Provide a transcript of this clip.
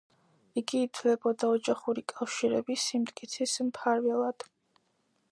იგი ითვლებოდა ოჯახური კავშირების სიმტკიცის მფარველად.